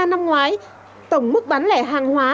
năm ngoái tổng mức bán lẻ hàng hóa